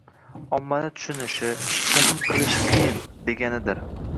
omma tushunishi, “hazm” qilish qiyin, deganidir.